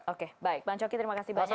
oke baik bang coki terima kasih banyak